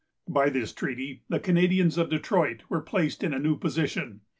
By this treaty, the Canadians of Detroit were placed in a new position.